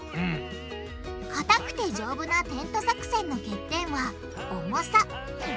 かたくて丈夫なテント作戦の欠点は重さ。